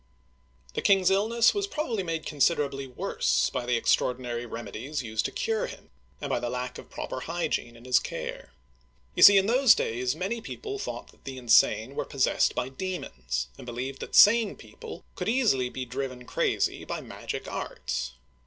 The king's illness was probably made considerably worse by the extraordinary remedies used to cure him, and by the lack of proper hygiene in his care. You see, in those days, many people thought that the insane were Digitized by Google 178 OLD FRANCE possessed by demons, and believed that sane people could easily be driven crazy by magic arts.